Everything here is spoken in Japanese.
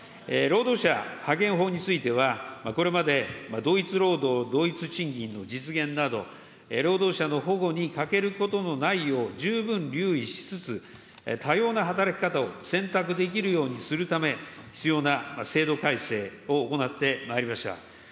労働者派遣法については、これまで同一労働同一賃金の実現など、労働者の保護に欠けることのないよう十分留意しつつ、多様な働き方を選択できるようにするため、必要な制度改正を行ってまいりました。